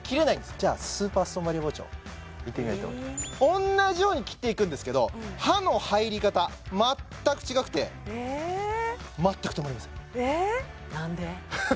じゃあスーパーストーンバリア包丁いってみましょう同じように切っていくんですけど刃の入り方全く違くて全く止まりません何で？